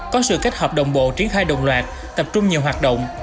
có sự kết hợp đồng bộ triển khai đồng loạt tập trung nhiều hoạt động